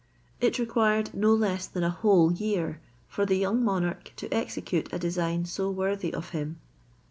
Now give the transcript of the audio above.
It required no less than a whole year for the young monarch to execute a design so worthy of him.